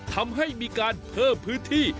ทำให้มีการเพิ่มพื้นที่